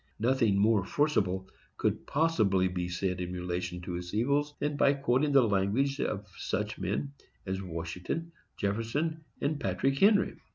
Nothing more forcible could possibly be said in relation to its evils than by quoting the language of such men as Washington, Jefferson, and Patrick Henry.